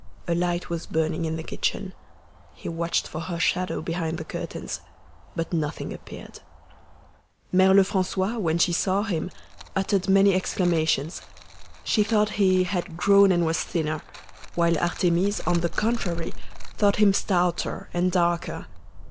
A light was burning in the kitchen. He watched for her shadow behind the curtains, but nothing appeared. Mere Lefrancois, when she saw him, uttered many exclamations. She thought he "had grown and was thinner," while Artémise, on the contrary, thought him stouter and darker.